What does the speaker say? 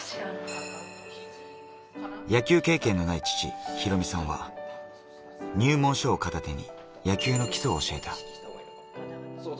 野球経験がない父・博美さんは、入門書を片手に野球の基礎を教えた。